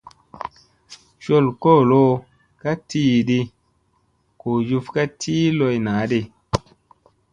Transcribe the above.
Col kolo ka tiiɗi ,goo juf ka tii loy naaɗi.